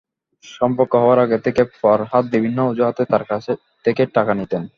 সম্পর্ক হওয়ার আগে থেকেই ফরহাদ বিভিন্ন অজুহাতে তাঁর কাছ থেকে টাকা নিতেন।